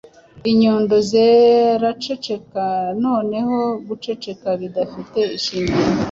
inyundo ziraceceka Noneho Guceceka bidafite ishingiro,